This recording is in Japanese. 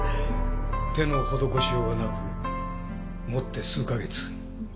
手の施しようがなくもって数か月。